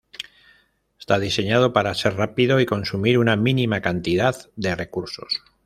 Está diseñado para ser rápido y consumir una mínima cantidad de recursos.